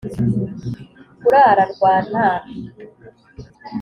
kurara rwantambi